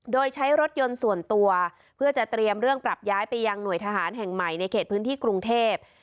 โดยใช้รถยนต์ส่วนตัวเพื่อจะเตรียมเรื่องปรับย้ายไปยังหน่วยทหารแห่งใหม่ในเขตพื้นที่กรุงเทพ